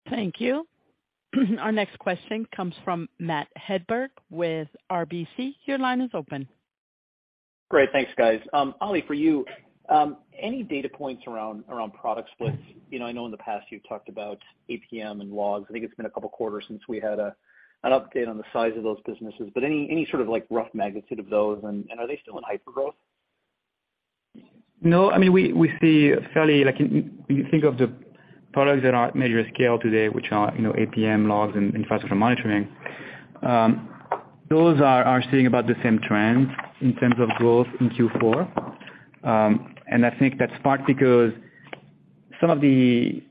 Thank you. Our next question comes from Matt Hedberg with RBC. Your line is open. Great. Thanks, guys. Oli, for you, any data points around product splits? You know, I know in the past you've talked about APM and logs. I think it's been a couple quarters since we had an update on the size of those businesses. Any sort of like rough magnitude of those and are they still in hypergrowth? No. I mean, we see fairly like when you think of the products that are at major scale today, which are, you know, APM, logs and infrastructure monitoring, those are seeing about the same trend in terms of growth in Q4. I think that's partly because some of the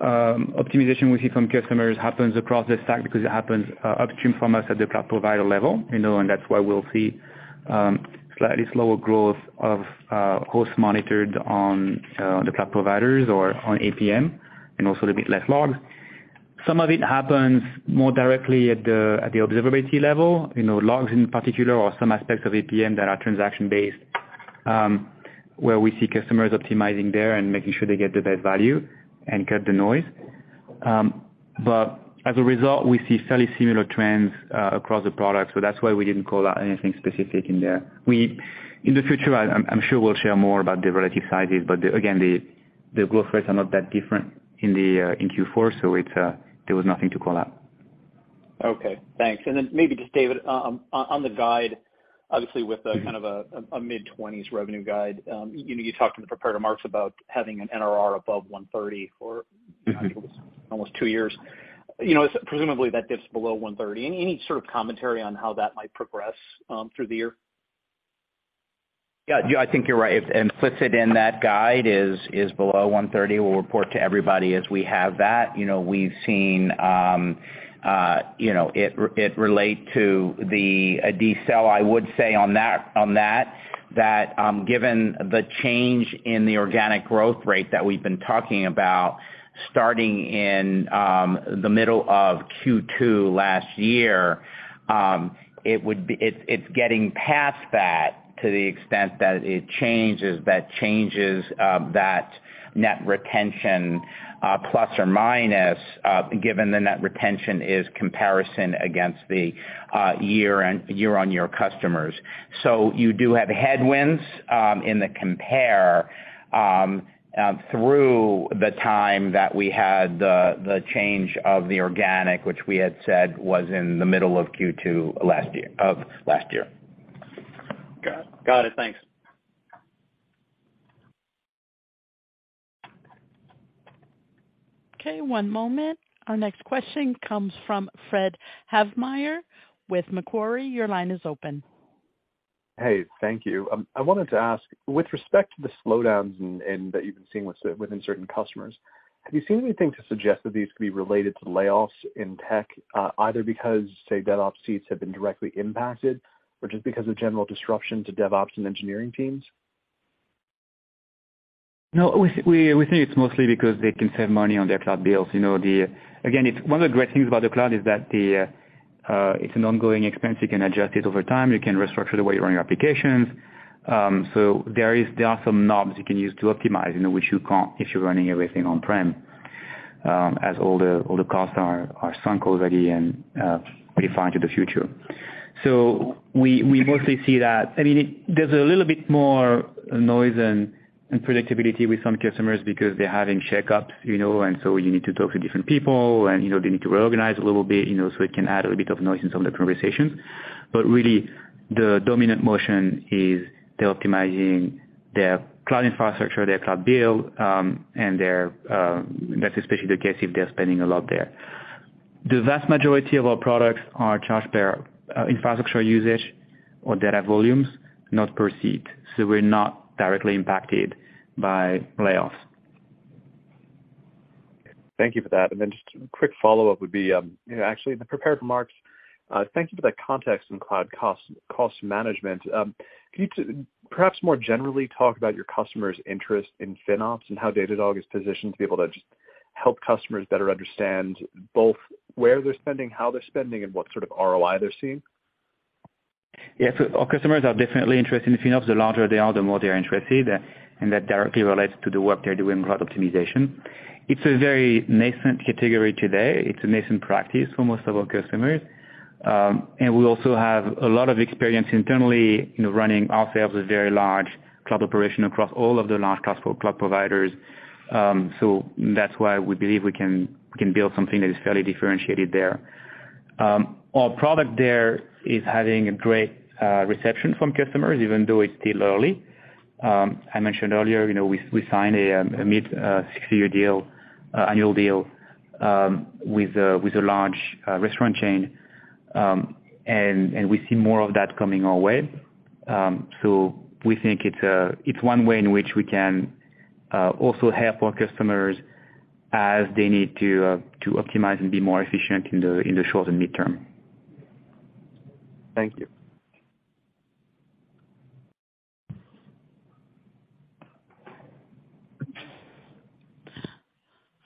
optimization we see from customers happens across the stack because it happens upstream from us at the cloud provider level, you know, that's why we'll see slightly slower growth of hosts monitored on the cloud providers or on APM and also a bit less logs. Some of it happens more directly at the, at the observability level, you know, logs in particular or some aspects of APM that are transaction based, where we see customers optimizing there and making sure they get the best value and cut the noise. As a result, we see fairly similar trends across the products. That's why we didn't call out anything specific in there. In the future I'm sure we'll share more about the relative sizes. Again, the growth rates are not that different in the in Q4. It's there was nothing to call out. Okay, thanks. Then maybe just David, on the guide, obviously with a kind of a mid-20s revenue guide, you know, you talked in the prepared remarks about having an NRR above 130 for almost two years. You know, presumably that dips below 130. Any, any sort of commentary on how that might progress, through the year? Yeah. I think you're right. Implicit in that guide is below 130. We'll report to everybody as we have that. You know, we've seen, it relate to a decel I would say on that, given the change in the organic growth rate that we've been talking about starting in the middle of Q2 last year, it's getting past that to the extent that it changes, that changes, that net retention, plus or minus, given the net retention is comparison against the year on year customers. You do have headwinds in the compare through the time that we had the change of the organic, which we had said was in the middle of Q2 last year, of last year. Got it. Thanks. Okay, one moment. Our next question comes from Fred Havemeyer with Macquarie. Your line is open. Hey, thank you. I wanted to ask, with respect to the slowdowns and that you've been seeing within certain customers, have you seen anything to suggest that these could be related to layoffs in tech, either because, say, DevOps seats have been directly impacted or just because of general disruption to DevOps and engineering teams? No, we think it's mostly because they can save money on their cloud bills. You know, again, it's one of the great things about the cloud is that the, it's an ongoing expense. You can adjust it over time, you can restructure the way you run your applications. There are some knobs you can use to optimize, you know, which you can't if you're running everything on-prem, as all the costs are sunk already and predefined to the future. We mostly see that. I mean. There's a little bit more noise and predictability with some customers because they're having shakeups, you know, and so you need to talk to different people and, you know, they need to reorganize a little bit, you know, so it can add a little bit of noise in some of the conversations. Really the dominant motion is they're optimizing their cloud infrastructure, their cloud bill, and their. That's especially the case if they're spending a lot there. The vast majority of our products are charged per infrastructure usage or data volumes, not per seat, so we're not directly impacted by layoffs. Thank you for that. Then just a quick follow-up would be, you know, actually in the prepared remarks, thank you for that context on Cloud Cost Management. Can you perhaps more generally talk about your customers' interest in FinOps and how Datadog is positioned to be able to just help customers better understand both where they're spending, how they're spending, and what sort of ROI they're seeing? Our customers are definitely interested in FinOps. The larger they are, the more they're interested, and that directly relates to the work they're doing in cloud optimization. It's a very nascent category today. It's a nascent practice for most of our customers. We also have a lot of experience internally, you know, running ourselves a very large cloud operation across all of the large cloud providers. That's why we believe we can build something that is fairly differentiated there. Our product there is having a great reception from customers even though it's still early. I mentioned earlier, you know, we signed a mid six-figure deal, annual deal, with a large restaurant chain. We see more of that coming our way. We think it's one way in which we can also help our customers as they need to optimize and be more efficient in the short and mid-term. Thank you.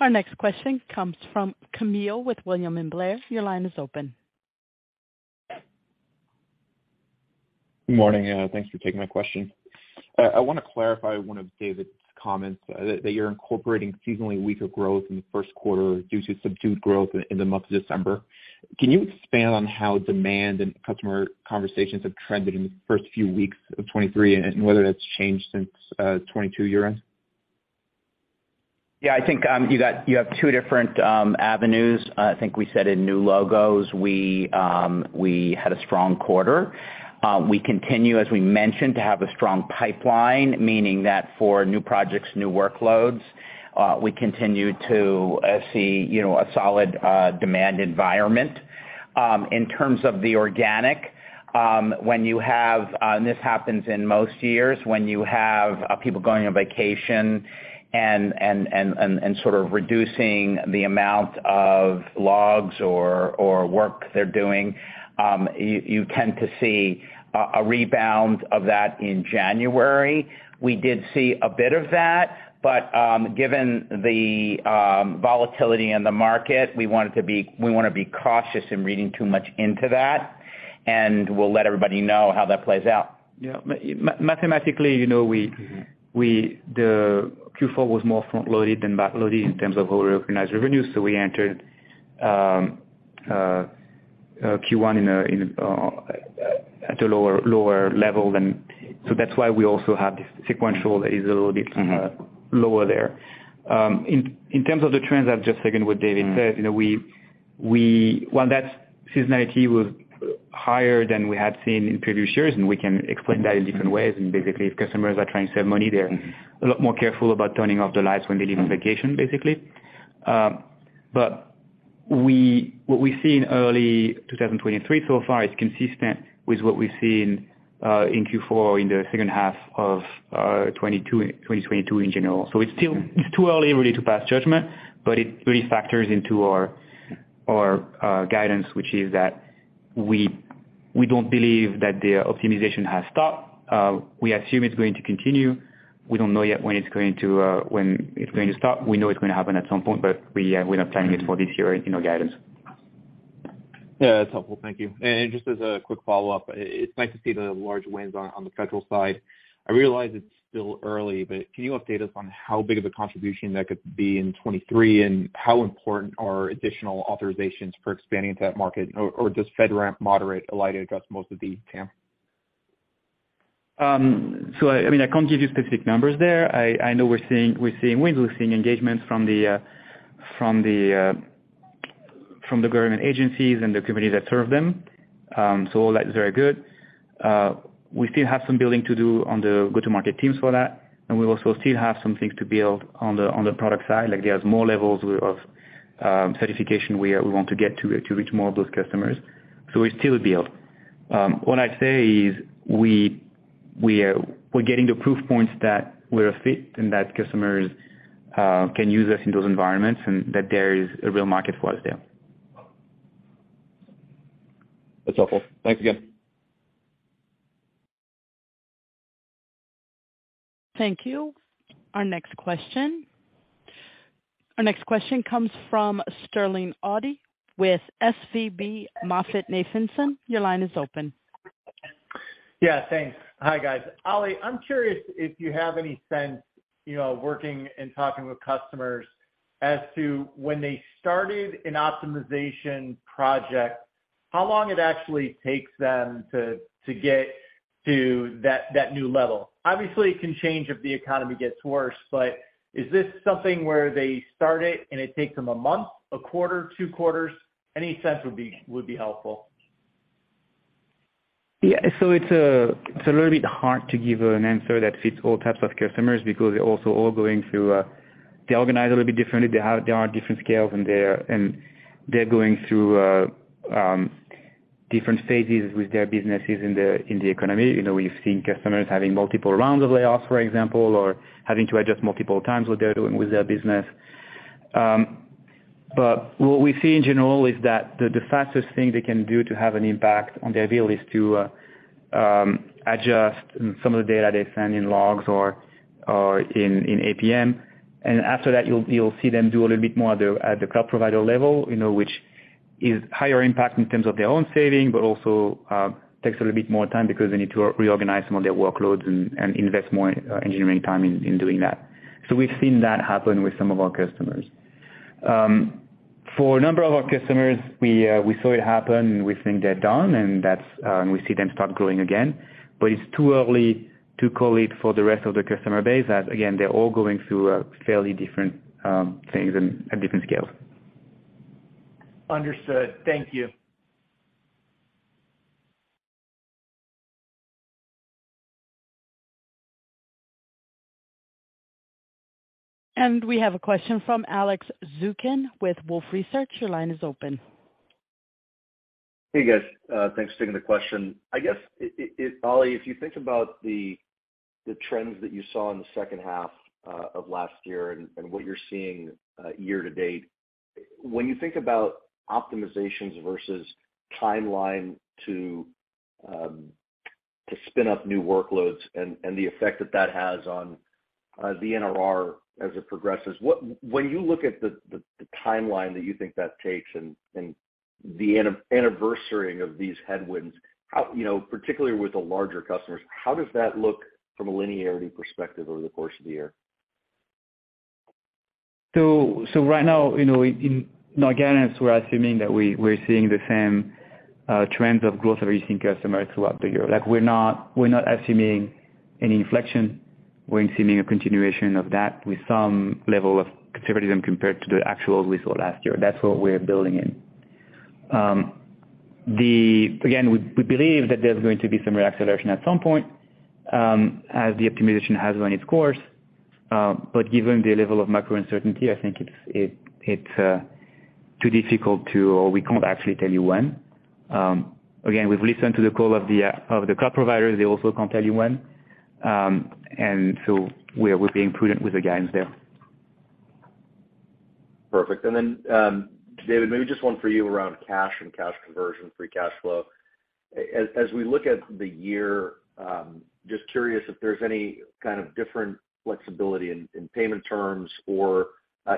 Our next question comes from Kamil with William Blair. Your line is open. Good morning. Thanks for taking my question. I wanna clarify one of David's comments, that you're incorporating seasonally weaker growth in the first quarter due to subdued growth in the month of December. Can you expand on how demand and customer conversations have trended in the first few weeks of 2023 and whether that's changed since 2022 year-end? Yeah. I think, you have two different avenues. I think we said in new logos, we had a strong quarter. We continue, as we mentioned, to have a strong pipeline, meaning that for new projects, new workloads, we continue to see, you know, a solid demand environment. In terms of the organic, when you have, and this happens in most years, when you have people going on vacation and sort of reducing the amount of logs or work they're doing, you tend to see a rebound of that in January. We did see a bit of that, but, given the volatility in the market, we wanna be cautious in reading too much into that, and we'll let everybody know how that plays out. Yeah. mathematically, you know. Mm-hmm. The Q4 was more front-loaded than back-loaded in terms of how we recognize revenue, so we entered, Q1 in a, at a lower level than. That's why we also have this sequential that is a little bit. Mm-hmm. lower there. In terms of the trends, I'll just second what David said. Mm. You know, we while that seasonality was higher than we had seen in previous years, and we can explain that in different ways, and basically if customers are trying to save money. Mm. a lot more careful about turning off the lights when they leave on vacation, basically. What we've seen early 2023 so far is consistent with what we've seen in Q4 in the second half of 2022 in general. It's still- Mm. It's too early really to pass judgment, but it really factors into our guidance, which is that we don't believe that the optimization has stopped. We assume it's going to continue. We don't know yet when it's going to when it's going to stop. We know it's gonna happen at some point, but we're not planning it for this year in our guidance. Yeah. That's helpful. Thank you. Just as a quick follow-up, it's nice to see the large wins on the federal side. I realize it's still early, but can you update us on how big of a contribution that could be in 2023, and how important are additional authorizations for expanding into that market? Does FedRAMP moderate allow you to address most of the TAM? I mean, I can't give you specific numbers there. I know we're seeing wins, we're seeing engagements from the government agencies and the companies that serve them. All that is very good. We still have some building to do on the go-to-market teams for that, and we also still have some things to build on the product side. Like there's more levels of certification we want to get to reach more of those customers. We still build. What I'd say is we're getting the proof points that we're a fit and that customers can use us in those environments, and that there is a real market for us there. That's helpful. Thanks again. Thank you. Our next question comes from Sterling Auty with SVB MoffettNathanson. Your line is open. Yeah. Thanks. Hi, guys. Oli, I'm curious if you have any sense, you know, working and talking with customers as to when they started an optimization project, how long it actually takes them to get to that new level. Obviously, it can change if the economy gets worse, but is this something where they start it and it takes them a month, a quarter, two quarters? Any sense would be helpful. Yeah. It's a little bit hard to give an answer that fits all types of customers because they're also all going through. They organize a little bit differently. They're on different scales, and they're going through different phases with their businesses in the economy. You know, we've seen customers having multiple rounds of layoffs, for example, or having to adjust multiple times what they're doing with their business. What we see in general is that the fastest thing they can do to have an impact on their bill is to adjust some of the data they send in logs or in APM. After that, you'll see them do a little bit more at the cloud provider level, you know, which is higher impact in terms of their own saving, but also takes a little bit more time because they need to reorganize some of their workloads and invest more engineering time in doing that. We've seen that happen with some of our customers. For a number of our customers, we saw it happen. We think they're done and that's we see them start growing again. It's too early to call it for the rest of the customer base as, again, they're all going through fairly different things and at different scales. Understood. Thank you. We have a question from Alex Zukin with Wolfe Research. Your line is open. Hey, guys. Thanks for taking the question. I guess if, Oli, if you think about the trends that you saw in the second half of last year and what you're seeing year to date, when you think about optimizations versus timeline to spin up new workloads and the effect that that has on the NRR as it progresses, when you look at the timeline that you think that takes and the anniversarying of these headwinds, how, you know, particularly with the larger customers, how does that look from a linearity perspective over the course of the year? Right now, you know, in our guidance, we're assuming that we're seeing the same trends of growth that we've seen customers throughout the year. Like, we're not assuming any inflection. We're assuming a continuation of that with some level of conservatism compared to the actual we saw last year. That's what we're building in. Again, we believe that there's going to be some reacceleration at some point as the optimization has run its course. Given the level of macro uncertainty, I think it's too difficult to or we can't actually tell you when. Again, we've listened to the call of the cloud providers. They also can't tell you when. We're being prudent with the guidance there. Perfect. Then David, maybe just one for you around cash and cash conversion, free cash flow. As we look at the year, just curious if there's any kind of different flexibility in payment terms or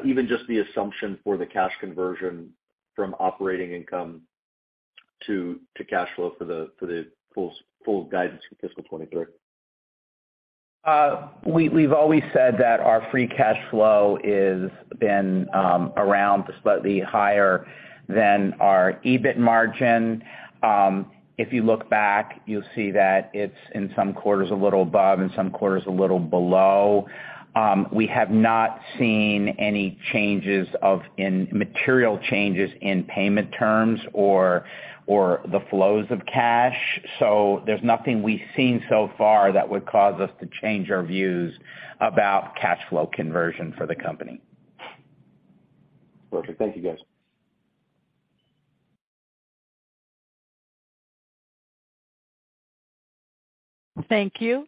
even just the assumption for the cash conversion from operating income to cash flow for the full guidance for fiscal 2023? We've always said that our free cash flow is been around slightly higher than our EBIT margin. If you look back, you'll see that it's in some quarters a little above, in some quarters a little below. We have not seen any changes of material changes in payment terms or the flows of cash. There's nothing we've seen so far that would cause us to change our views about cash flow conversion for the company. Perfect. Thank you, guys. Thank you.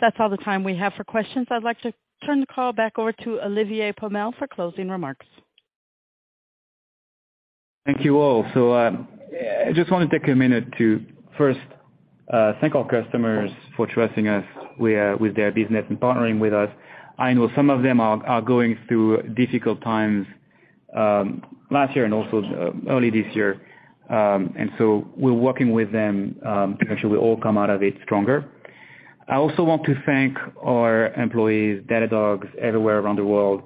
That's all the time we have for questions. I'd like to turn the call back over to Olivier Pomel for closing remarks. Thank you all. I just wanna take a minute to first thank our customers for trusting us with their business and partnering with us. I know some of them are going through difficult times last year and also early this year. We're working with them to make sure we all come out of it stronger. I also want to thank our employees, Datadogs everywhere around the world,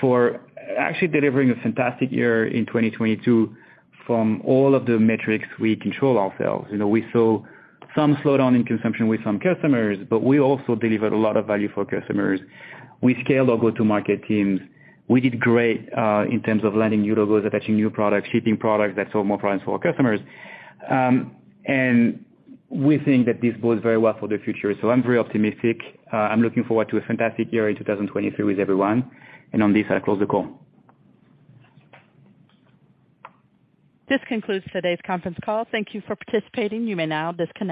for actually delivering a fantastic year in 2022 from all of the metrics we control ourselves. You know, we saw some slowdown in consumption with some customers, but we also delivered a lot of value for customers. We scaled our go-to-market teams. We did great in terms of landing new logos, attaching new products, shipping products that solve more problems for our customers. We think that this bodes very well for the future. I'm very optimistic. I'm looking forward to a fantastic year in 2023 with everyone. On this, I close the call. This concludes today's conference call. Thank you for participating. You may now disconnect.